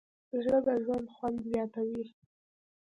زړه د ژوند خوند زیاتوي.